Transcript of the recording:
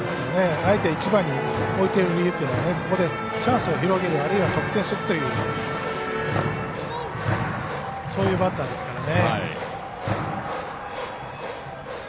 あえて１番に置いてる理由というのはここでチャンスを広げるあるいは得点していくというそういうバッターですからね。